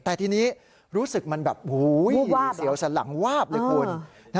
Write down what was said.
แต่ทีนี้รู้สึกมันแบบเสียวสันหลังวาบเลยคุณ